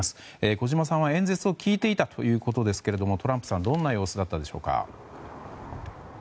小島さんは演説を聞いていたということですがトランプさんはどんな様子だったでしょうか。